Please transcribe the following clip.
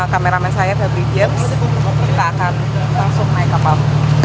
kameramen saya febri james kita akan langsung naik kapal